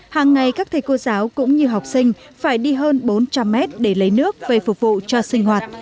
hàng ngày các thầy cô giáo cũng như học sinh phải đi hơn bốn trăm linh mét để lấy nước về phục vụ cho sinh hoạt